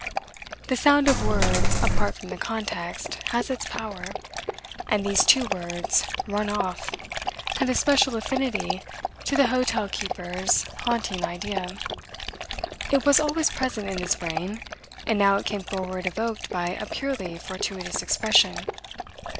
The sound of words, apart from the context, has its power; and these two words, 'run off,' had a special affinity to the hotel keeper's, haunting idea. It was always present in his brain, and now it came forward evoked by a purely fortuitous expression.